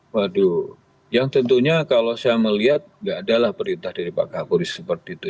waduh yang tentunya kalau saya melihat nggak adalah perintah dari pak kapolri seperti itu